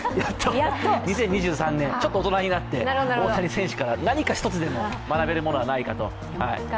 ２０２３年、ちょっと大人になって、大谷選手から何か一つでも学べるものはないかと。